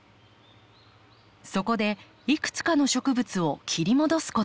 そこでいくつかの植物を切り戻すことに。